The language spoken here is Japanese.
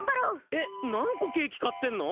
えっ、何個ケーキ買ってんの？